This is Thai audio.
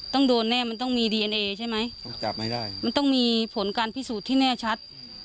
ต้องโดนแน่มันต้องมีดีเอ็นเอใช่ไหมมันต้องมีผลการพิสูจน์ที่แน่ชัด